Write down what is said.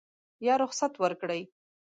یا رخصت ورکړي.